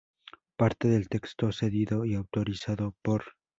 Parte del texto cedido y autorizado por